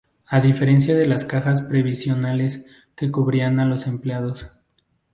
A diferencia de las cajas previsionales que cubrían a los empleados.